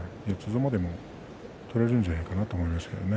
相撲でも取れるんじゃないかなと思いますけれども。